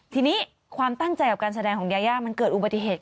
ทีนี้ความตั้งใจกับการแสดงของยายามันเกิดอุบัติเหตุ